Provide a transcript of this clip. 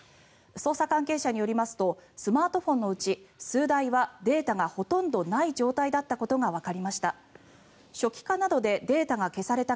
捜査関係者によりますとスマートフォンのうち数台はデータがほとんどない状態だったことがわかりました。